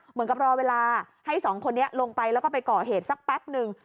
เหมือนกับรอเวลาให้สองคนนี้ลงไปแล้วก็ไปก่อเหตุสักแป๊บนึง